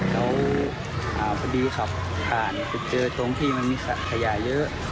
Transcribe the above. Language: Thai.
แล้วพอดีขับผ่านไปเจอตรงที่มันมีขยะเยอะ